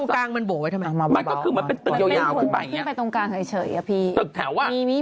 แล้วที่ตรงกลางมันโหโหไว้ทำไม